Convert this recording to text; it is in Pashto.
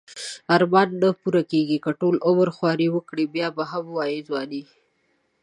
ارمان نه پوره کیږی که ټول عمر خواری وکړی بیا به هم وایی ځوانی